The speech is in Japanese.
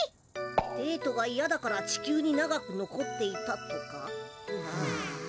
デートがいやだから地球に長くのこっていたとか？は。